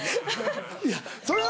いやそれは。